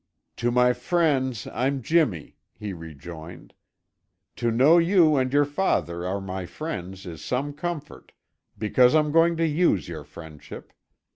"To my friends, I'm Jimmy," he rejoined. "To know you and your father are my friends is some comfort, because I'm going to use your friendship.